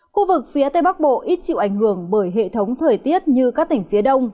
khu vực phía tây bắc bộ ít chịu ảnh hưởng bởi hệ thống thời tiết như các tỉnh phía đông